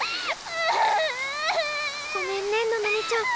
ごめんねののみちゃん。